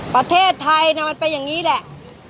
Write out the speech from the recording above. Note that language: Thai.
ประเทศไทยมันเป็นอย่างนี้แหละ